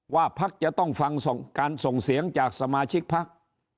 พักจะต้องฟังการส่งเสียงจากสมาชิกพัก